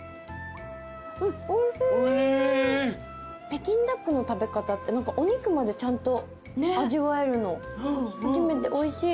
北京ダックの食べ方ってお肉までちゃんと味わえるの初めておいしい。